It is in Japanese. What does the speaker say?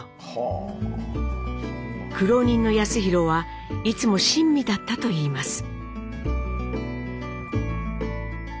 苦労人の康宏はいつも親身だったといいます。